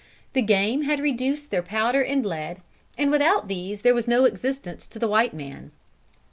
The game had reduced their powder and lead, and without these there was no existence to the white man.